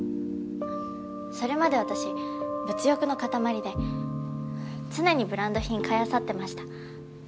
それまで私物欲の塊で常にブランド品買い漁ってました。